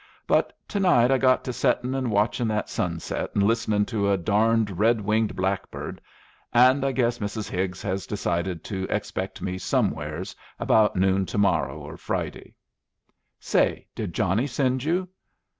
But to night I got to settin' and watchin' that sunset, and listenin' to a darned red winged blackbird, and I guess Mrs. Higgs has decided to expect me somewheres about noon to morrow or Friday. Say, did Johnnie send you?